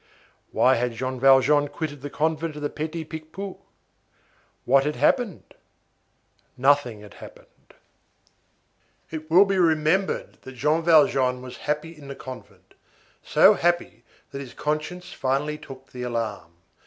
Why had Jean Valjean quitted the convent of the Petit Picpus? What had happened? Nothing had happened. It will be remembered that Jean Valjean was happy in the convent, so happy that his conscience finally took the alarm.